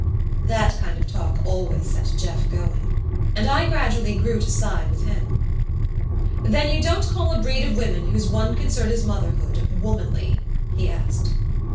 That kind of talk always set Jeff going; and I gradually grew to side with him. "Then you don't call a breed of women whose one concern is motherhood womanly?" he asked.